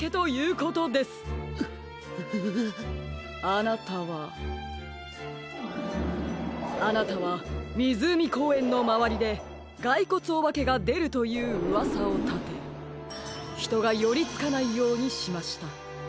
あなたはあなたはみずうみこうえんのまわりでがいこつおばけがでるといううわさをたてひとがよりつかないようにしました。